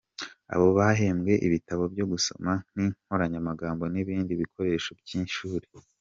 Abo bahembwe ibitabo byo gusoma n’inkoranyamagambo n’ibindi bikoresho by’ishuri.